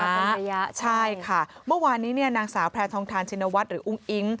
คุณระยะใช่ค่ะเมื่อวานนี้เนี่ยนางสาวแพทองทานชินวัฒน์หรืออุ้งอิ๊ง